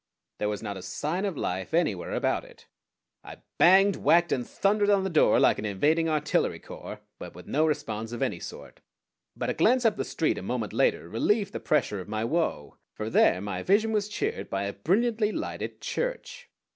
There was not a sign of life anywhere about it. I banged, whacked, and thundered on the door like an invading artillery corps; but with no response of any sort. But a glance up the street a moment later relieved the pressure of my woe; for there my vision was cheered by a brilliantly lighted church.